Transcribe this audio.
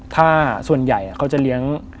ถ้าส่วนใหญ่เขาจะเลี้ยง